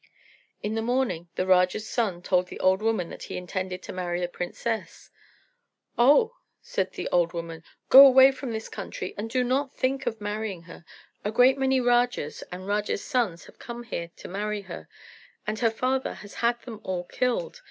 In the morning the Raja's son told the old woman that he intended to marry the princess. "Oh," said the old woman, "go away from this country, and do not think of marrying her. A great many Rajas and Rajas' sons have come here to marry her, and her father has had them all killed.